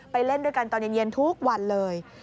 เล่นด้วยกันตอนเย็นทุกวันเลย